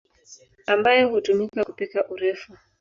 ambayo hutumika kupika urefu.